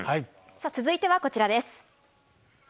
続いてはこちらです。